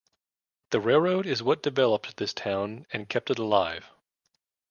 The railroad is what developed this town and kept it alive.